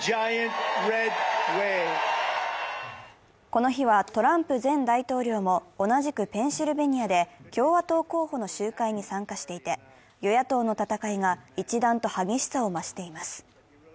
この日はトランプ前大統領も同じくペンシルベニアで、共和党候補の集会に参加していて、与野党の戦いが一段と激しさを増しています。